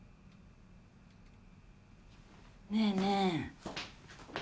ねえねえ。